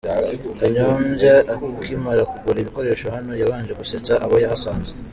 Kanyombya akimara kugura ibikoresho hano yabanje gusetsa abo yahasanze.